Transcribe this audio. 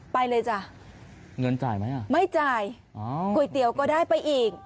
ไปเลยจ้ะเงินจ่ายไหมอ่ะไม่จ่ายอ๋อก๋วยเตี๋ยวก็ได้ไปอีก